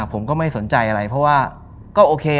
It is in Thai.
ผมก็ไม่สนใจอะไรเพราะว่าก็โอเค